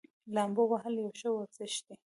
لامبو وهل یو ښه ورزش دی.